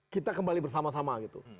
kita kembali bersama sama gitu